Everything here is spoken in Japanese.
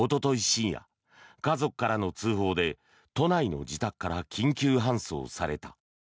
深夜、家族からの通報で都内の自宅から緊急搬送された。